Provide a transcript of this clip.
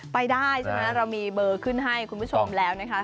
ไปได้ใช่ไหมเรามีเบอร์ขึ้นให้คุณผู้ชมแล้วนะคะ